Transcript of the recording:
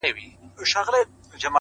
د زړگي غوښي مي د شپې خوراك وي،